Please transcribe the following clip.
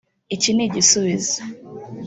Iki ni igisubizo